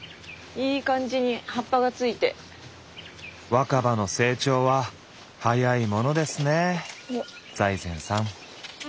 若葉の成長は早いものですね財前さん。